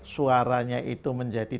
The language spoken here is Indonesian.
suaranya itu menjadi